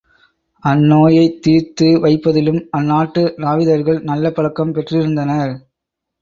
அந்நோயைத் தீர்த்து வைப்பதிலும் அந்நாட்டு நாவிதர்கள் நல்ல பழக்கம் பெற்றிருந்தனர்.